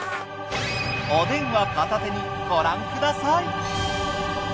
お電話片手にご覧ください。